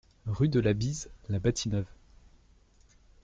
Rue de la Bise, La Bâtie-Neuve